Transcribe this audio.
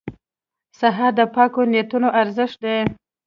سهار د پاکو نیتونو ارزښت دی.